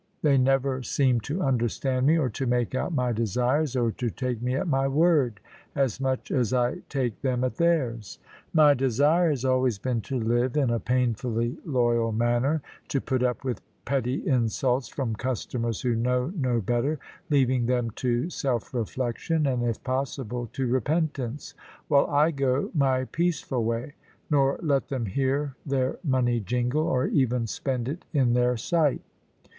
They never seem to understand me, or to make out my desires, or to take me at my word, as much as I take them at theirs. My desire has always been to live in a painfully loyal manner, to put up with petty insults from customers who know no better, leaving them to self reflection, and if possible to repentance, while I go my peaceful way, nor let them hear their money jingle, or even spend it in their sight.